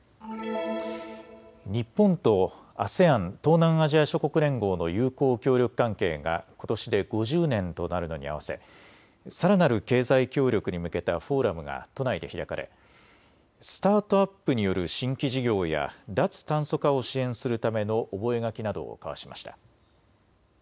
日本とＡＳＥＡＮ・東南アジア諸国連合の友好協力関係がことしで５０年となるのに合わせさらなる経済協力に向けたフォーラムが都内で開かれスタートアップによる新規事業や脱炭素化を支援するための覚え書きなどを交わしました。